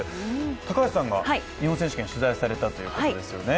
高橋さんは日本選手権取材されたということですよね？